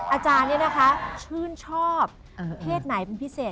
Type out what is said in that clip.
อาจารย์ชื่นชอบเพศไหนเป็นพิเศษ